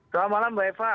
selamat malam mbak eva